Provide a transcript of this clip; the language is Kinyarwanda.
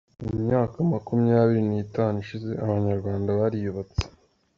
Mumyaka makumyabiri ni tanu ishize abanyarwanda bariyubatse.